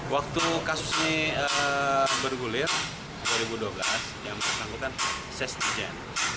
waktu kasus ini bergulir dua ribu dua belas dia melakukan ses dirjen